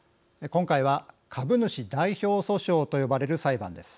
今回は株主代表訴訟と呼ばれる裁判です。